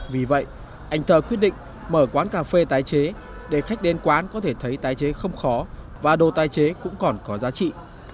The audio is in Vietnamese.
vì vậy anh thơ quyết định mở quán cà phê tái chế để khách đến quán có thể thấy tái chế không khó và đồ tái chế cũng còn có giá trị